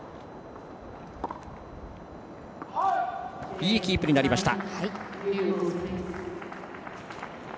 いいキープになりました。